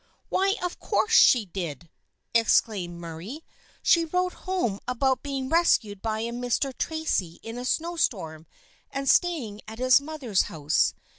" Why, of course she did !" exclaimed Murray. " She wrote home about being rescued by a Mr. Tracy in a snow storm and staying at his mother's house.